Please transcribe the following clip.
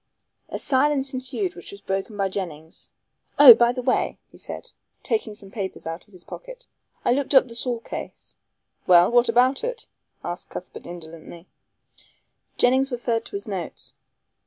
A silence ensued which was broken by Jennings. "Oh, by the way," he said, taking some papers out of his pocket, "I looked up the Saul case." "Well, what about it?" asked Cuthbert indolently Jennings referred to his notes.